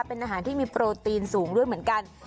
เป็นอาหารที่มีโปรตีนสูงด้วยเหมือนกัน